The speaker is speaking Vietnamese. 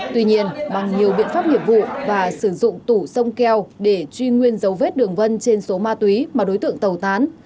tuy nhiên bằng nhiều biện pháp nghiệp vụ và sử dụng tủ sông keo để truy nguyên dấu vết đường vân trên số ma túy mà đối tượng tàu tán